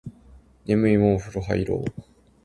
眠いもうお風呂入ろう